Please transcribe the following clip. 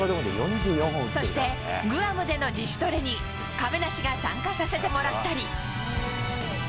そして、グアムでの自主トレに、亀梨が参加させてもらったり。